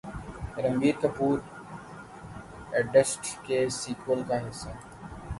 Ranbir Kapoor idiots کے sequel کا حصہ